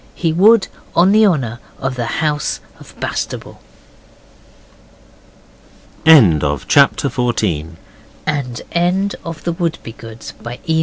He would, on the honour of the House of Bastable. End of the Project Gutenberg EBook of The Wouldbegoods, by E.